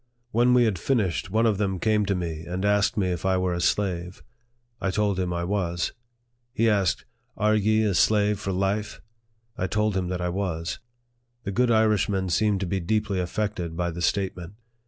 When we had finished, one of them came to me and asked me if I were a slave. I told him I was. He asked, " Are ye a slave for life ?" I told him that I was. The good Irishman seemed to be deeply affected by the statement.